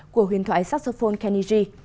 của huyền thoại saxophone kenny g